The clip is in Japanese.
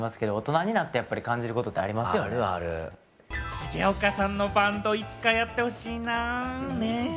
重岡さんのバンド、いつかやってほしいな。ね！